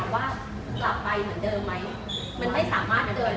ว่ากลับไปเหมือนเดิมไหม